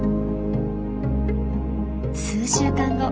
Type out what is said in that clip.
数週間後。